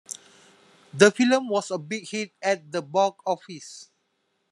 The film was a big hit at the box office.